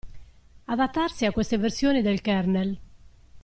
Adattarsi a queste versioni del kernel.